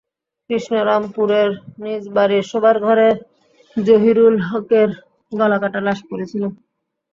কৃষ্ণরামপুরের নিজ বাড়ির শোবার ঘরে জহিরুল হকের গলাকাটা লাশ পড়ে ছিল।